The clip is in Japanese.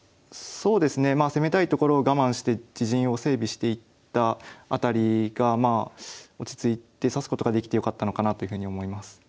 そうですねまあ攻めたいところを我慢して自陣を整備していった辺りがまあ落ち着いて指すことができてよかったのかなというふうに思います。